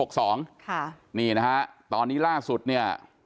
นี่นะฮะตอนนี้ล่าสุดเนี่ย